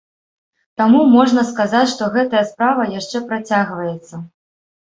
Таму можна сказаць, што гэтая справа яшчэ працягваецца.